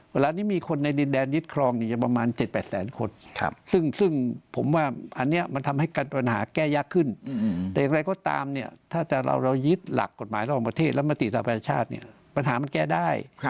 เวลานี้มีคนในดินแดนยึดครองจะประมาณ๗๘แสนคนซึ่งผมว่าอันนี้มันทำให้ปัญหาแก้ยากขึ้นแต่อย่างไรก็ตามเนี่ยถ้าเรายึดหลักกฎหมายระหว่างประเทศและมติสภาชาติเนี่ยปัญหามันแก้ได้